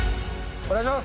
お願いします。